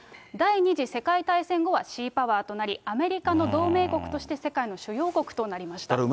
第２次世界大戦後はシーパワーとなり、アメリカの同盟国として世界の主要国となりました。